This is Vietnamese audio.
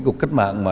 một cuộc cách mạng